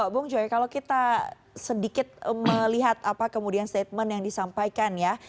bung joy kalau kita sedikit melihat apa kemudian statement yang disampaikan ya